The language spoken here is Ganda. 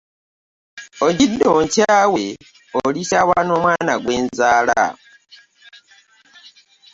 Ojjidde onkyawe olikyawa n'omwana gwenzala.